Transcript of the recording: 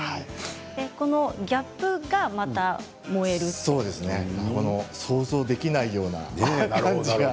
このギャップが想像できないような感じが。